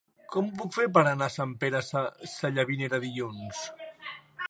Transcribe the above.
Com ho puc fer per anar a Sant Pere Sallavinera dilluns?